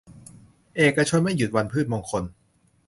เอกชนไม่หยุดวันพืชมงคล